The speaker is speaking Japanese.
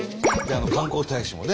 観光大使もね